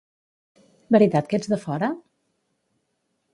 Veritat que ets de fora?